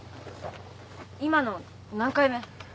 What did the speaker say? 今の何回目？